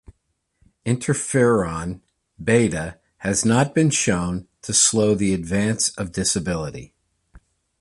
Interferon beta has not been shown to slow the advance of disability.